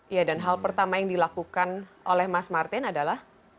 ya dan hal pertama yang dilakukan oleh mas martin adalah